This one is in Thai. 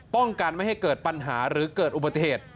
ป้องกันไม่ให้เกิดปัญหาหรือเกิดอุบัติเหตุ